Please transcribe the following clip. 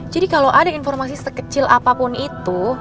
jadi kalo ada informasi sekecil apapun itu